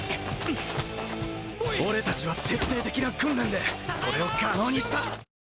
俺たちは徹底的な訓練でそれを可能にした。